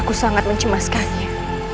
aku sangat mencemaskannya